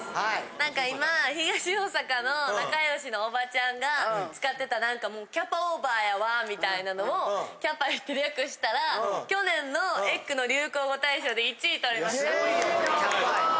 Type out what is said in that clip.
なんか今、東大阪の仲よしのおばちゃんが使ってた、なんかキャパオーバーやわみたいなのをきゃぱいって略したら、去年のｅｇｇの流行語大賞で１位取りました。